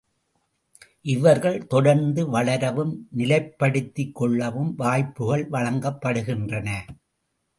இவர்கள் தொடர்ந்து வளரவும் நிலைப்படுத்திக் கொள்ளவும் வாய்ப்புக்கள் வழங்கப்படுகின்றன.